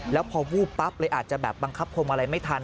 แล้วพอวูบปั๊บเลยอาจจะแบบบังคับพรมอะไรไม่ทัน